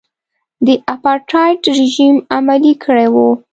د اپارټایډ رژیم عملي کړی و.